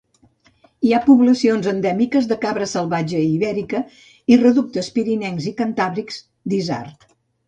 Hi ha poblacions endèmiques de cabra salvatge ibèrica i reductes pirinencs i cantàbrics d'isard.